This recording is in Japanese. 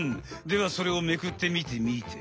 ではそれをめくってみてみて。